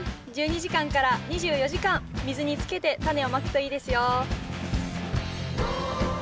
１２時間から２４時間水につけてタネをまくといいですよ。